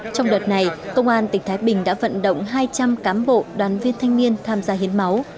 trong đợt này công an tỉnh thái bình đã vận động hai trăm linh cám bộ đoàn viên thanh niên tham gia hiến máu